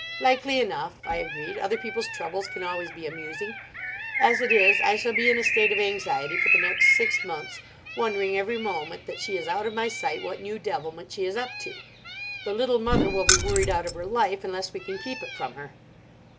"Likely enough," I agreed. "Other people's troubles can always be amusing. As it is, I shall be in a state of anxiety for the next six months, wondering, every moment that she is out of my sight, what new devilment she is up to. The Little Mother will be worried out of her life, unless we can keep it from her."